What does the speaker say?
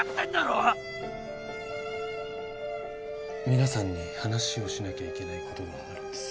皆さんに話をしなきゃいけないことがあるんです。